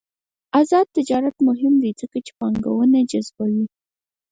آزاد تجارت مهم دی ځکه چې پانګونه جذبوي.